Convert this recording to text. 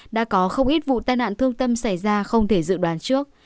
đã có không ít vụ tai nạn thương tâm xảy ra không thể dự đoán trước